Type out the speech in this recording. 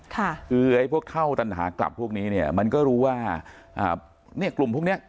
คือให้เข้าตัณหากลับพวกนี้มันก็รู้ว่ากลุ่มพวกนี้